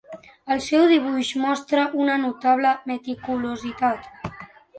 El seu dibuix mostra una notable meticulositat.